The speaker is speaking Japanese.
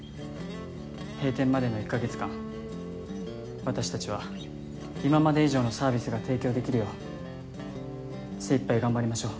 閉店までの１か月間私たちは今まで以上のサービスが提供できるよう精いっぱい頑張りましょう。